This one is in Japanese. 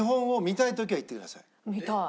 見たい。